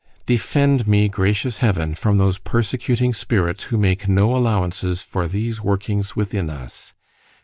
Defend me, gracious Heaven! from those persecuting spirits who make no allowances for these workings within us.